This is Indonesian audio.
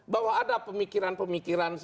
bahwa ada pemikiran pemikiran